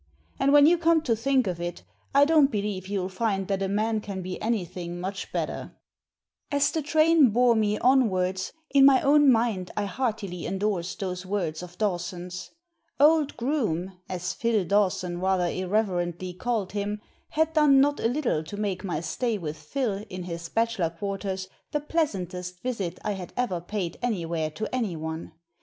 And when you come to think of it, I don't believe you'll find that a man can be anything much better." As the train bore me onwards, in my own mind 222 Digitized by VjOOQIC A DOUBLE MINDED GENTLEMAN 223 I heartily endorsed those words of Dawson's. Old Groome — ^as Phil Dawson rather irreverently called him — ^had done not a little to make my stay with Phil, in his bachelor quarters, the pleasantest visit I had ever paid anywhere to anyone.